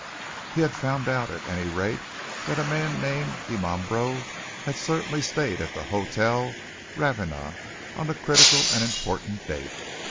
He had found out, at any rate, that a man named Dimambro had certainly stayed at the Hotel Ravenna on the critical and important date.